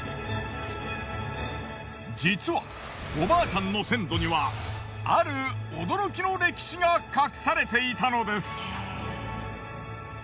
実はおばあちゃんの先祖にはある驚きの歴史が隠されていたのです。